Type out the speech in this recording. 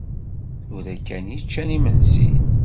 Tura kan i ččan imensi.